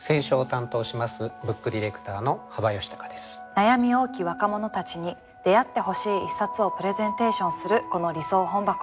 悩み多き若者たちに出会ってほしい一冊をプレゼンテーションするこの「理想本箱」。